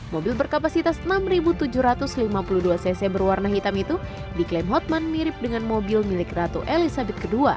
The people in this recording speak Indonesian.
mobil berkapasitas enam tujuh ratus lima puluh dua cc berwarna hitam itu diklaim hotman mirip dengan mobil milik ratu elizabeth ii